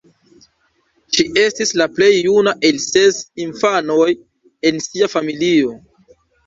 Ŝi estis la plej juna el ses infanoj en sia familio.